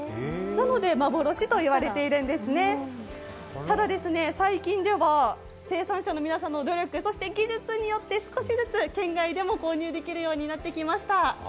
なので、幻と言われているんですねただ、最近では生産者の皆さんの努力、そして技術によって、少しずつ県外でも購入できるようになってきました。